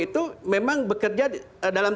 itu memang bekerja dalam